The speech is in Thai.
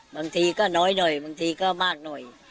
บางทีก็น้อยหน่อยบางทีก็มากหน่อย